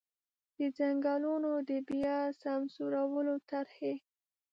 د ځنګلونو د بیا سمسورولو طرحې.